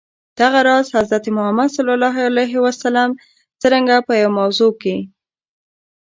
دغه راز، حضرت محمد ص څرنګه په یوه موضوع کي.